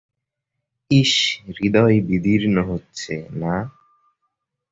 ইস, হৃদয় বিদীর্ণ হচ্ছে– না?